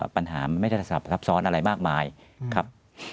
ปัญหาไม่ได้ทับซ้อนอะไรมากมายครับ